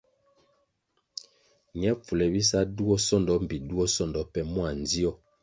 Ñe pfule bisa duo sondo mbpi duo sondo pe mua ndzio.